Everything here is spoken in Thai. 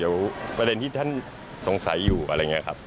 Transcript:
เดี๋ยวประเด็นที่ท่านสงสัยอยู่อะไรอย่างนี้ครับ